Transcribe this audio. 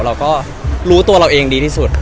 เราก็รู้ตัวเราเองดีที่สุด